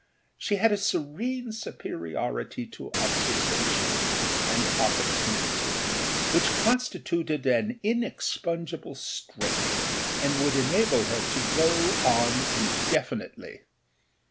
She had a serene superiority to observation and opportunity which constituted an inexpugnable strength and would enable her to go on indefinitely.